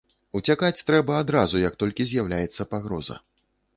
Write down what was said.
Уцякаць трэба адразу як толькі з'яўляецца пагроза.